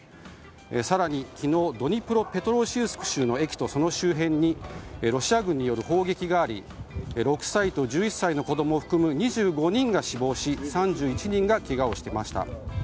更に昨日ドニプロペトロウシク州の駅とその周辺にロシア軍による砲撃があり６歳と１１歳の子供を含む２５人が死亡し３１人がけがをしました。